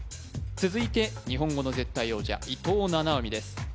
続いて日本語の絶対王者伊藤七海です